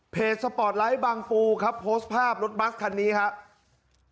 สปอร์ตไลท์บางปูครับโพสต์ภาพรถบัสคันนี้ครับ